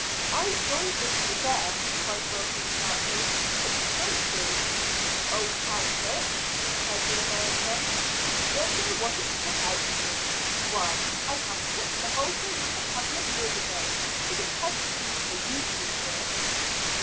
"I join issue there," cried Wilton sharply; "it can't be." "Oh, can't it!" cried the American. "You don't know what it's took out of me. Why, I'd have pitched the whole thing up a couple of years ago if it hadn't been for you three here."